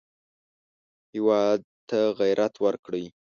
هېواد ته غیرت ورکړئ